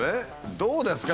どうですか？